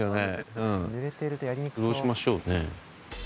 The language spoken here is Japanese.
うんどうしましょうね。